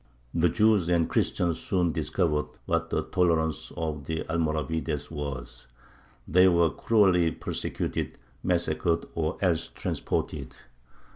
The Jews and Christians soon discovered what the tolerance of the Almoravides was: they were cruelly persecuted, massacred, or else transported.